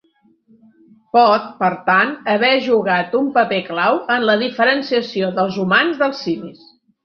Pot, per tant, haver jugat un paper clau en la diferenciació dels humans dels simis.